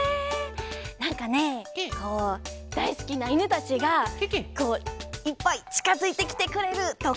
なんかねこうだいすきないぬたちがこういっぱいちかづいてきてくれるとか。